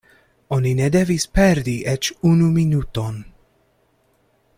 Oni ne devis perdi eĉ unu minuton.